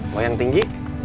mau yang tinggi